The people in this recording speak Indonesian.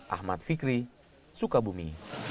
ahmad fikri sukabumi